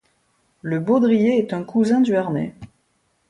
Le baudrier est un cousin du harnais.